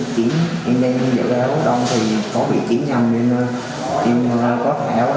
chính là hai đối tượng cầm đầu chủ mơ